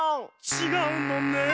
ちがうのねえ。